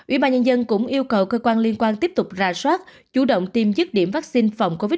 ủy ban nhân dân cũng yêu cầu cơ quan liên quan tiếp tục ra soát chủ động tiêm dứt điểm vaccine phòng covid một mươi